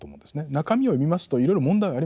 中身を見ますといろいろ問題はあります。